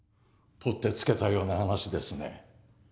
取って付けたような話ですね。